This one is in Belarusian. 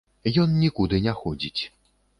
Ён нікуды не ходзіць.